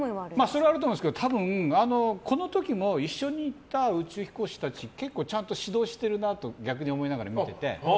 それはあると思いますけど多分、この時も一緒に行った宇宙飛行士たち結構ちゃんと指導してるなと逆に思いながら見てて。